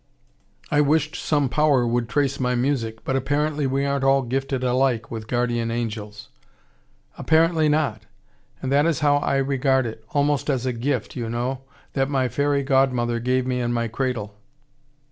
"I wished some power would trace my music: but apparently we aren't all gifted alike with guardian angels." "Apparently not. And that is how I regard it: almost as a gift, you know, that my fairy godmother gave me in my cradle."